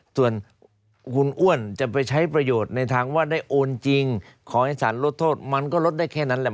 ส่วนคุณอ้วนจะไปใช้ประโยชน์ในทางว่าได้โอนจริงขอให้สารลดโทษมันก็ลดได้แค่นั้นแหละ